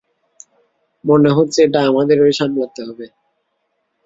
মনে হচ্ছে এটা আমাদেরই সামলাতে হবে।